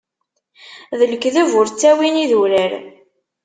D lekdeb ur ttawin idurar.